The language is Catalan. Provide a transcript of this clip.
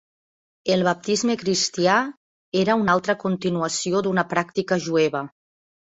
El baptisme cristià era una altra continuació d'una pràctica jueva.